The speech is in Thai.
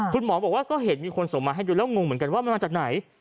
คุณหมอบอกว่าก็เห็นมีคนส่งมาให้ดูแล้วงงเหมือนกันว่ามันมาจากไหน